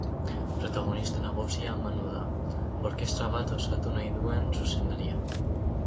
Protagonista nagusia Manu da, orkestra bat osatu nahi duen zuzendaria.